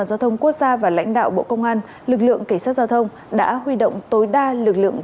quốc gia và lãnh đạo bộ công an lực lượng kỳ sát giao thông đã huy động tối đa lực lượng